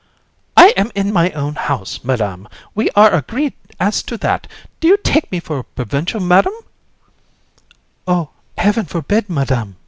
COUN. I am in my own house, Madam! We are agreed as to that. Do you take me for a provincial, Madam? JU. Oh! Heaven forbid, Madam!